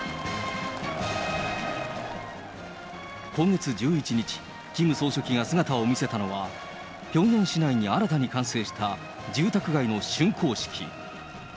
今月１１日、キム総書記が姿を見せたのは、ピョンヤン市内に新たに完成した住宅街のしゅんこう式。